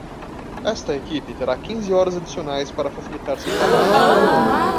Esta equipe terá quinze horas adicionais para facilitar seu trabalho.